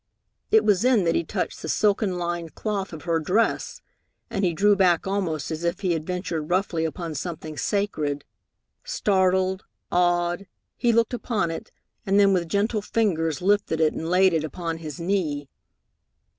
It was then that he touched the silken lined cloth of her dress, and he drew back almost as if he had ventured roughly upon something sacred. Startled, awed, he looked upon it, and then with gentle fingers lifted it and laid it upon his knee.